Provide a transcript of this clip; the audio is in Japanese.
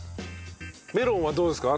メロンはどうですか？